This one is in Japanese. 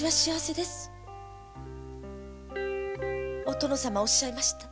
お殿様はおっしゃいました。